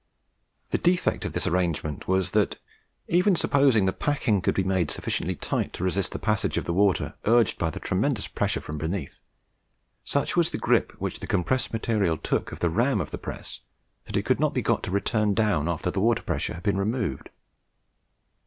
The defect of this arrangement was, that, even supposing the packing could be made sufficiently tight to resist the passage of the water urged by the tremendous pressure from beneath, such was the grip which the compressed material took of the ram of the press, that it could not be got to return down after the water pressure had been removed.